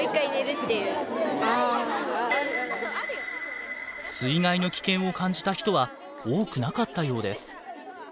水害の危険を感じた人は多くなかったようです。